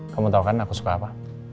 kamu tau kan aku suka apa